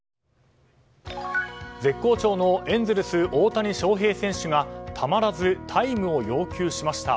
絶好調のエンゼルス大谷翔平選手がたまらずタイムを要求しました。